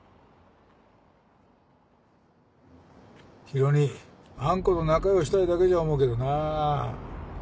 ひろ兄あん子と仲良うしたいだけじゃ思うけどな。